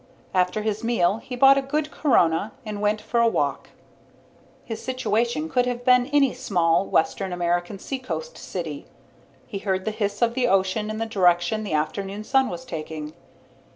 After his meal, he bought a good corona and went for a walk. His situation could have been any small western American seacoast city. He heard the hiss of the ocean in the direction the afternoon sun was taking.